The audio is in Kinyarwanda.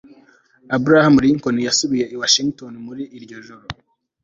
Abraham Lincoln yasubiye i Washington muri iryo joro